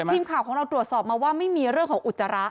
ทีมข่าวของเราตรวจสอบมาว่าไม่มีเรื่องของอุจจาระ